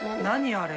あれ。